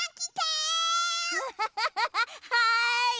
はい。